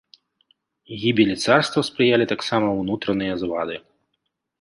Гібелі царства спрыялі таксама ўнутраныя звады.